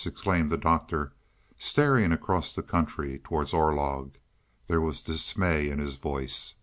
exclaimed the Doctor, staring across the country towards Orlog. There was dismay in his voice.